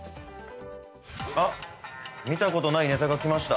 あ、見たことないネタが来ました